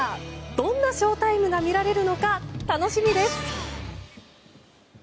どんなショウタイムが見られるのか、楽しみです！